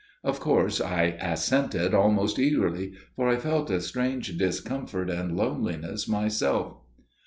Of course I assented, almost eagerly, for I felt a strange discomfort and loneliness myself.